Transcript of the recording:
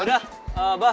terima kasih abah